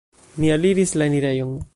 Mi aliris la enirejon.